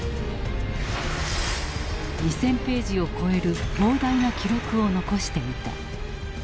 ２，０００ページを超える膨大な記録を残していた。